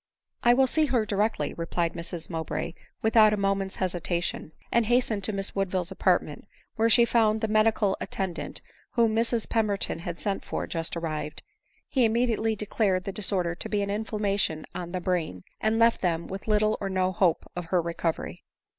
" I will see her directly," replied Mrs Mowbray, with out a moment's hesitation ; and hastened to Miss Wood ville's apartment, where she found the medical attendant whom Mrs Pemberton had sent for just arrived. He im mediately declared the disorder to be an inflammation on die brain, and left them with little or no hope of her recovery.